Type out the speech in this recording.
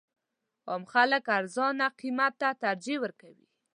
عام خلک ارزان قیمت ته ترجیح ورکوي.